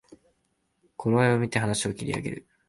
頃合いをみて話を切り上げる